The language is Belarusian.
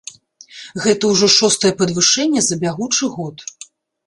Гэта ўжо шостае падвышэнне за бягучы год.